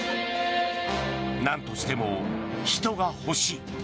なんとしても人が欲しい。